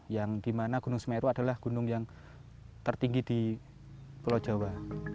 yang dimana gunung semeru adalah gunung yang tertinggi di pulau jawa